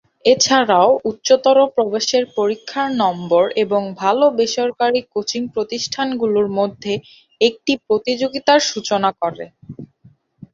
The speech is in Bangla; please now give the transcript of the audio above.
এছাড়াও, উচ্চতর প্রবেশের পরীক্ষার নম্বর এবং ভালো বেসরকারি কোচিং প্রতিষ্ঠানগুলোর মধ্যে একটি প্রতিযোগিতার সূচনা করে।